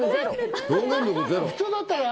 普通だったら。